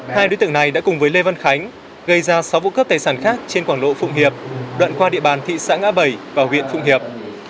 hai đối tượng này đã cùng với lê văn khánh gây ra sáu vụ cướp tài sản khác trên quảng lộ phụng hiệp đoạn qua địa bàn thị xã ngã bảy và huyện phụng hiệp